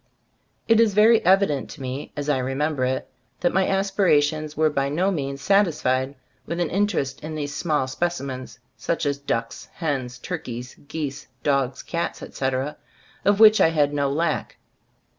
It is very evident to me, as I re member it, that my aspirations were by no means satisfied with an interest in these small specimens, such as ducks, hens, turkeys, geese, dogs, cats, etc., of which I had no lack.